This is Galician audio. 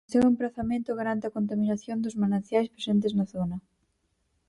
O seu emprazamento garante a contaminación dos mananciais presentes na zona.